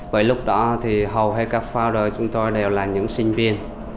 bởi lúc đó thì hầu hết các founder chúng tôi đều là những sinh viên